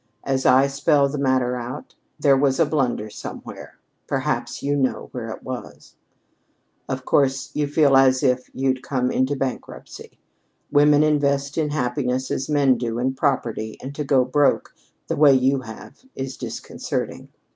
As I spell the matter out, there was a blunder somewhere. Perhaps you know where it was. "Of course you feel as if you'd gone into bankruptcy. Women invest in happiness as men do in property, and to 'go broke' the way you have is disconcerting.